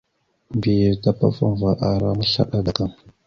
Mbiyez tapafaŋva ara maslaɗa adak.